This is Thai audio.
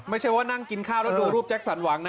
ไม่ใช่ว่านั่งกินข้าวแล้วดูรูปแจ็คสันหวังนะ